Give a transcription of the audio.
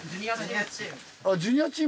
ジュニアチーム。